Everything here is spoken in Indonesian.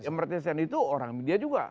amartya sen itu orang india juga